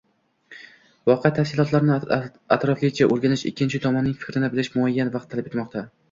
Voqea tafsilotlarini atroflicha oʻrganish, ikkinchi tomonning fikrini bilish muayyan vaqt talab etmoqda.